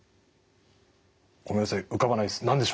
ごめんなさい浮かばないです。何でしょう？